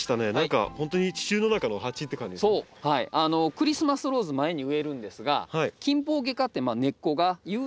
クリスマスローズ前に植えるんですがキンポウゲ科って根っこが有毒なことが多いんですよ。